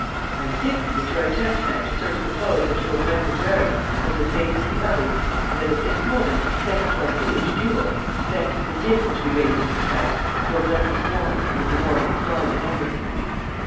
I am thinking that your attempt to night to search the clothes which Daubrecq was wearing was as vain as the others and that, at this moment, thanks to our foolish duel, thanks to the din which we raised in his house, Daubrecq is warned and will be more on his guard than ever."